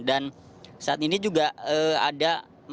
dan saat ini juga ada